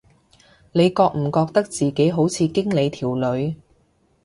你覺唔覺得自己好似經理條女